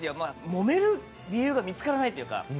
もめる理由が見つからないっていうか。